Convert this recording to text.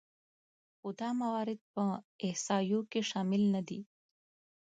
خو دا موارد په احصایو کې شامل نهدي